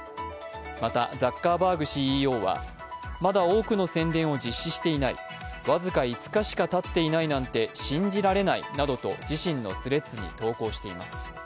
またザッカーバーグＣＥＯは、まだ多くの宣伝を実施していない、僅か５日しかたっていないなんて信じられないなどと自身のＴｈｒｅａｄｓに投稿しています。